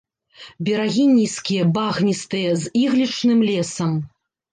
Берагі нізкія, багністыя, з іглічным лесам.